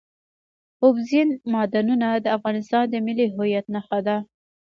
اوبزین معدنونه د افغانستان د ملي هویت نښه ده.